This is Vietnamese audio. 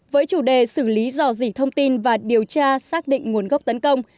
với chủ đề xử lý dò dỉ thông tin và điều tra xác định nguồn gốc tấn công